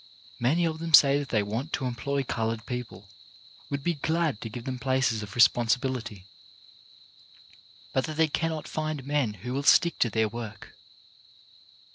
Many of them say that they want to employ coloured people, would be glad to give them places of re sponsibility, but that they cannot find men who will stick to their work.